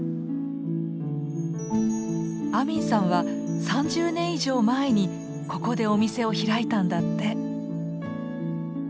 アミンさんは３０年以上前にここでお店を開いたんだって。